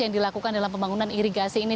yang dilakukan dalam pembangunan irigasi ini